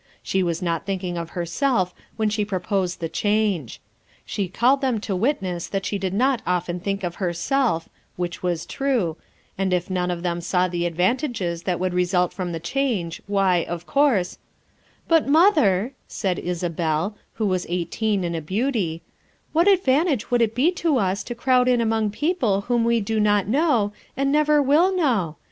She was not thinking of herself when she proposed the change; she called them to witness that she did not often think of her self, — which was s true, — and if none of them saw the advantages that would result from the change why, of course — "But, Mother,' 5 said Isabel, who was eight 38 FOUR MOTHERS AT CHAUTAUQUA een and a beauty, "what advantage would it be to us to crowd in among people whom we do not know, and never will know?